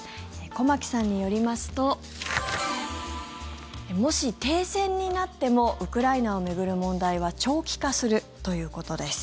駒木さんによりますともし、停戦になってもウクライナを巡る問題は長期化するということです。